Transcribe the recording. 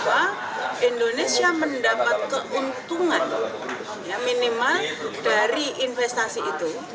bahwa indonesia mendapat keuntungan minimal dari investasi itu